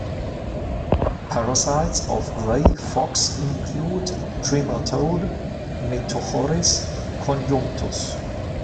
Parasites of gray fox include trematode "Metorchis conjunctus".